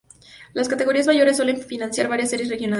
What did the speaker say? Las categorías mayores suelen financiar varias series regionales.